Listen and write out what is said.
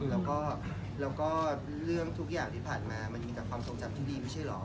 แล้วก็ในเรื่องทุกอย่างที่ผ่านมามันมีความโตรก์จับที่ดี